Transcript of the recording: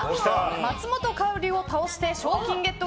松本薫を倒して賞金ゲット！